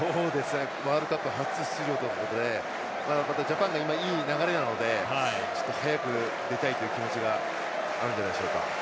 ワールドカップ初出場ということでジャパンがいい流れなので早く出たいという気持ちがあるんじゃないでしょうか。